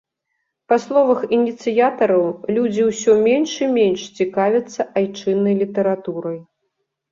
Па словах ініцыятараў, людзі ўсё менш і менш цікавяцца айчыннай літаратурай.